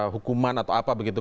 hukuman atau apa begitu